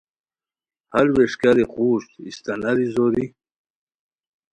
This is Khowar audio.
ہر ووݰکیاری قوژد استاناری زوری